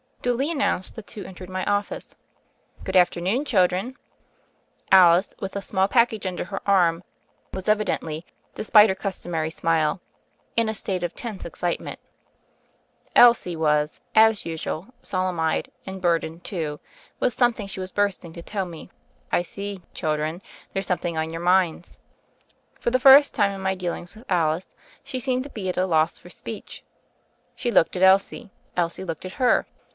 Duly announced, the two entered my office. "Good afternoon, children." Alice, with a small package under her arm, was evidently, despite her customary smile, in a state of tense excitement. Elsie was, as usual, solemn eyed, and burdened, too, with some thing she was bursting to tell me. "I see, children, there's something on your minds." For the first time in my dealings with Alice, she seemed to be at a loss for speech. She looked at Elsie. Elsie looked at her.